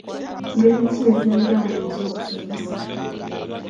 Ngeri ki ez'enjawulo ez'okusomesa?